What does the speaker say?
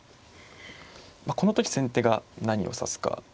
この時先手が何を指すか。